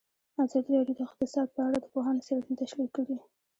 ازادي راډیو د اقتصاد په اړه د پوهانو څېړنې تشریح کړې.